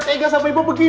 tidak ada yang bisa dikira